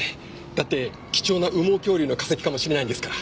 だって貴重な羽毛恐竜の化石かもしれないんですから。